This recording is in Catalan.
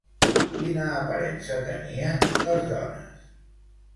Quina aparença tenien, les dones?